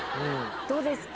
どうですか？